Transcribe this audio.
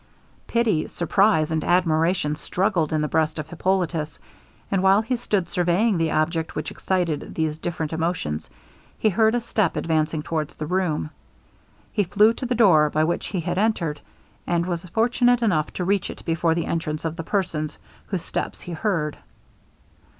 Pity, surprize, and admiration struggled in the breast of Hippolitus; and while he stood surveying the object which excited these different emotions, he heard a step advancing towards the room. He flew to the door by which he had entered, and was fortunate enough to reach it before the entrance of the persons whose steps he heard.